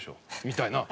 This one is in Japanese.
みたいな。